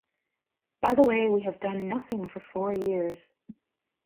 By the way we have done nothing for four years.